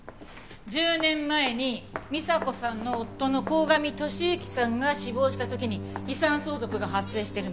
１０年前に美沙子さんの夫の鴻上利之さんが死亡した時に遺産相続が発生しているのよ。